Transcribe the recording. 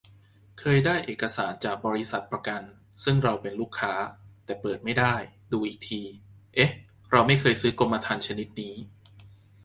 เคยได้เอกสารจากบ.ประกันซึ่งเราเป็นลูกค้า แต่เปิดไม่ได้ ดูอีกที เอ๊ะ เราไม่เคยซื้อกรมธรรม์ชนิดนี้